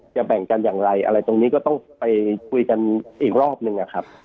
แบ่งกันอย่างไรอะไรตรงนี้ก็ต้องไปคุยกันอีกรอบนึงนะครับ